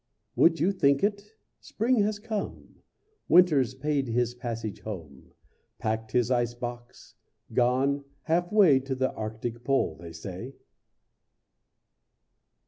Would you think it? Spring has come; Winter's paid his passage home; Packed his ice box gone half way To the Arctic pole, they say.